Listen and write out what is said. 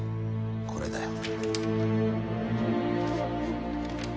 これだよ。